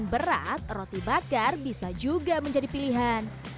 berat roti bakar bisa juga menjadi pilihan